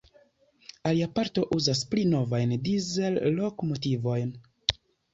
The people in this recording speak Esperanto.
Alia parto uzas pli novajn Dizel-lokomotivojn.